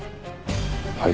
はい。